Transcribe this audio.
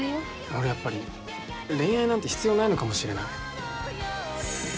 俺やっぱり恋愛なんて必要ないのかもしれない。